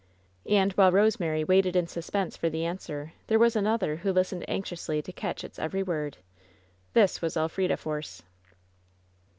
And while Kosemary waited in suspense for the an swer there was another who listened anxiously to catch its every word. This was Elf rida Force.